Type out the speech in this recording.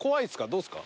どうですか？